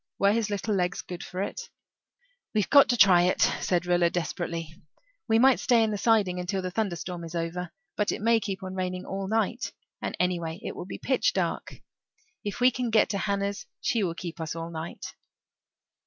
Were his little legs good for it? "We've got to try it," said Rilla desperately. "We might stay in the siding until the thunderstorm is over; but it may keep on raining all night and anyway it will be pitch dark. If we can get to Hannah's she will keep us all night."